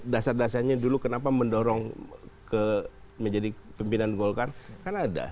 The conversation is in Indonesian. dasar dasarnya dulu kenapa mendorong menjadi pimpinan golkar kan ada